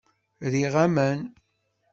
Riɣ aman.